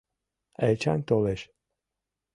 — Эчан толеш.